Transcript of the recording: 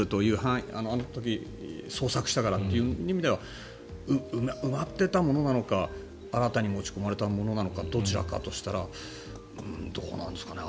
６００ｍ捜索したからという意味では埋まっていたものなのか新たに持ち込まれたものなのかどちらかだとしたらどうなんですかね